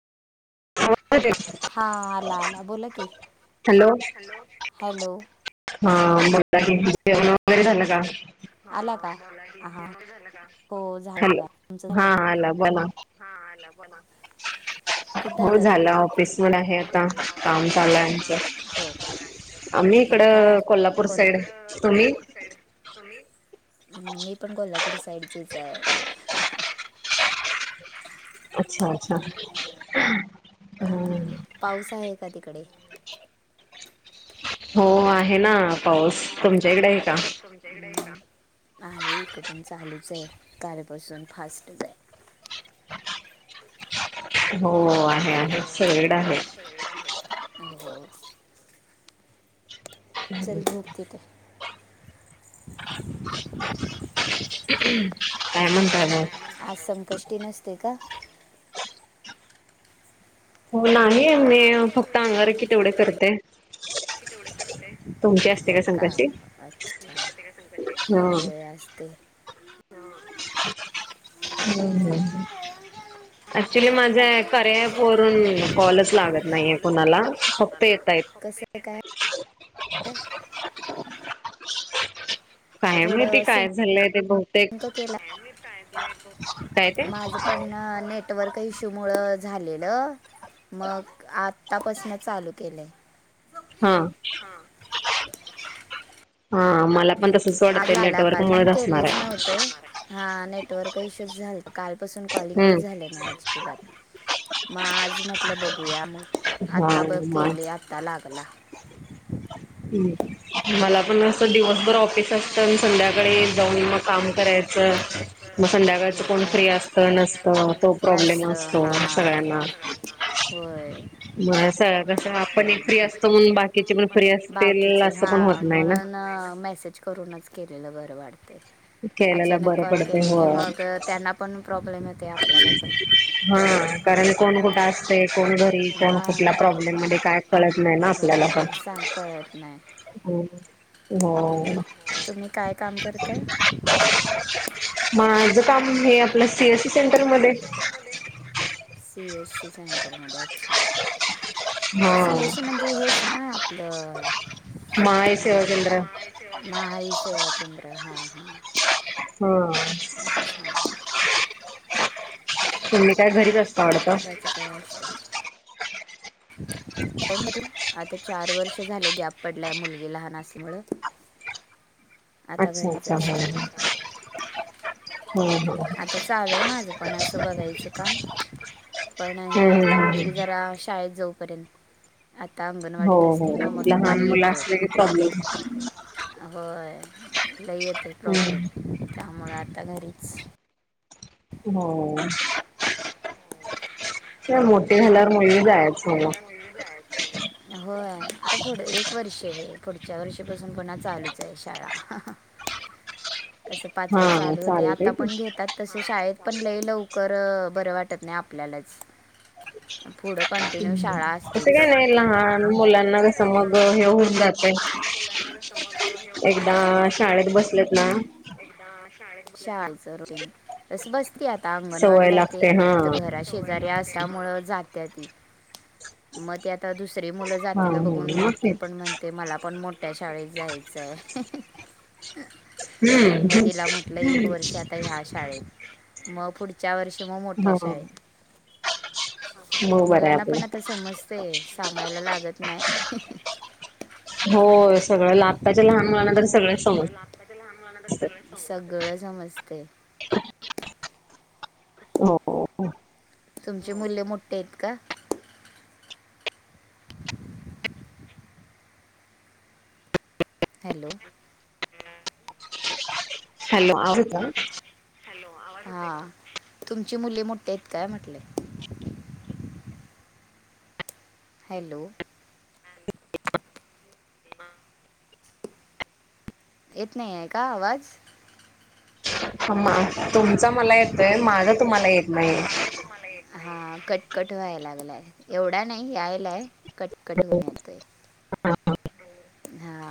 आवाज येतोय? हा आला आला बोला की हॅलो हॅलो हा की जेवण वगैरे झालं का आला का हा हो जाय हॅलो बघा तुमचं झालं हा आला बोला का कुठे हो आता झालं तुम्ही ऑफिस वर आहे हो आता झाल ऑफिस काम मध्ये चालू आहे आता आमचं आम्ही इकड कोल्हापूर साईड तुम्ही हम् मी पण कोल्हापूर साईडचीच आहे अच्छा अच्छा ह हम्म पाऊस आहे का तिकडे हो आहे ना हो पाऊस आहे ना तुमच्या इकडे का? पाऊस तुमच्याकडे आहे का अ आहे इकड पण चालूच आहे कारलपासून फास्टच आहे हो आहे आहे सेड आहे आहे हो चल धोकते ते काय म्हणताय मग? आज संकष्टी नसते का हो नाही मी फक्त मी अंगार की तेवढे करते तुमच्या हा रिकाम ऍक्चुली माझ कार्य एप तरी मला वरून कॉलच कड्यावरून लागत नाहीये कुणाला लागत फक्त मला येतय कसं काय काय माहिती थोडं काय सिंक झालंय ते बहुतेक काय ते माझ पण नेटवर्क इश्यू मुळ झालेलं मग आत्तापासन चालू केलंय हा हा मला पण तसच वाटतंय आला नेटवर्क काल पण मुळेच असणार केलेच आहे नव्हते हा नेटवर्क इश्यूज झा काल ून कॉलिंगच हम्म झालं नाही मग आज म्हटलं बघूयाग हा आता बघ माझ केली आता लागला हम् मला पण असं दिवसभर ऑफिस असतं संध्याकाळी जाऊणी मग काम करायचं संध्याकाळच हो कोण का फ्री असत नसत तो प्रॉब्लेम नसतं असतो सगळ्यांना वय म कस आपण एक फ्री असतो म्हण बाकीची पण फ्री असतील असं पण होत मला ना मेसेज करूनच केलेलं बरं वाटतं ते केलेला अचानक बरं कॉल पडतय केला की हो मग त्यांना पण प्रॉब्लेम येते आपल्याला पण हा कारण कोण कुठं असते कोण घरी कोण कुठल्या हां प्रॉब्लेम मध्ये काय कळत नाही ना आपल्याला पण च नाही हम्म तुम्ही काय काम करताय म माझ काम हे आपलं सीएससी सेंटरमध्येध्ये सी एस सी सेंटरमध्ये अच्छा हा सीएस म्हणजे हेच ना आपलं माय सेवा केंद्र महा ह सेवा केंद्र हा हा हा तुम्ही काय घरीच असता तुम्ही वाटत काय [inaudible] अधून मधून आता चार वर्ष झाले गॅप पडलाय, मुलगी लहान असे मुळ. अच्छा अच्छा, हम्म हम्म. हम्म हम्म. आता चालूय माझं पण असं बघायचं काम. पण हे हम्म आता हम्म मुलगी हम्म जरा शाळेत जाऊपर्यंत. आता हो अंगणवाडीत हो. असते ना मग लहान दुपारी मुलं येते असले की [unintelligible] होय लई येतय प्रॉब्लेम हम्म त्यामुळ आता घरीच हो. त्या मोटे झाला होय. आता पुढ एक वर्ष हे पुढच्या वर्षीपासून पुन्हा चालूच आहे, शाळा. कसं मग पाचवं हा चालू होतय, चालतय आता की पण घेतात तशे शाळेत पण लई लव कर बरं वाटत नाही आपल्यालाच पुढं कंटिन्यू हम्म. शाळा असतेच तसं काय नाही लहान मुलांना काय कसं मग हे होऊन जातय. त्यांना कस मग हे हून एकदा जातय, शाळेत बसलेत ना एकदा चालतंय रूटीन तस बस ती आता अंगणवाडी सवय जाते, लागते हा इथं घरा शेजारी असल्यामुळ जात त्या ती म ते आता दुस री मुल हा हा जातेल बगुन मग ती तेच पण म्हणते, मला पण मो त्या शाळेत जायचंय म हम्म तिला म्हटलं एक वर्ष आता ह्या शाळेत म पुढच्या वर्ष की म मोठ्या हा शाळेत तर मग बरं आहे मुलांना पण आता आपलं समजतय सांगायला लागत नाही. होय. सगळं ल आत्ताच्या लहान मुलांना तरी हो सगळच समज सगळं सगळं समजतय [unintelligible] तुमचे मूले मोट्टे हाईत काय? हॅलो. हॅलो आहे का? हा तुमची मुले मोट्टेयेत काय म्हटल? हॅलो. येत नाहीये काय आवाज? ह म अम्मा, तुमचा मला येतोय, तुमचा माझं तुम्हाला येत नाहीये. हा कटकट व्हाय लागलाय एवढा नाही यायला. ला कटकट होण्याते हा.